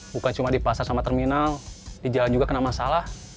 bukan cuma di pasar sama terminal di jalan juga kena masalah